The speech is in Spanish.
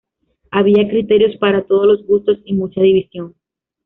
Había criterios para todos los gustos y mucha división.